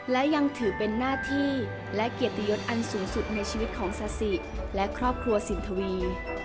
และยังถือเป็นหน้าที่และเกียรติยศอันสูงสุดในชีวิตของซาสิและครอบครัวสินทวี